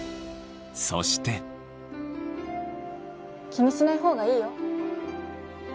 気にしない方がいいよ。